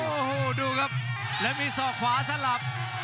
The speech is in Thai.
โอ้โหดูครับแล้วมีศอกขวาสลับ